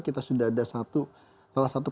kita sudah ada satu salah satu